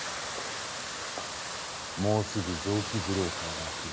もうすぐ臓器ブローカーが来る。